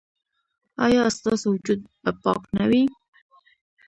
ایا ستاسو وجود به پاک نه وي؟